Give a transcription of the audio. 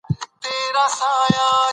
بانکونه د هیواد ملي اسعار پیاوړي کوي.